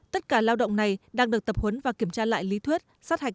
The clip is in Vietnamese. tất cả lao động này đang được tập huấn và kiểm tra lại lý thuyết sát hạch